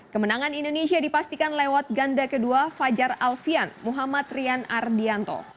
kemenangan indonesia dipastikan lewat ganda kedua fajar alfian muhammad rian ardianto